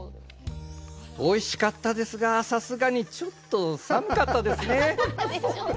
おいしかったですがさすがにちょっと寒かったですね。